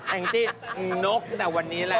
แอ้งจี้นกแต่วันนี้แหละ